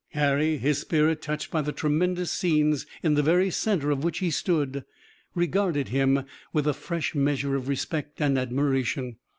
Harry, his spirit touched by the tremendous scenes in the very center of which he stood, regarded him with a fresh measure of respect and admiration.